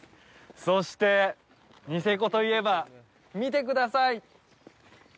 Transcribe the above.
そして、ニセコといえば、見てください！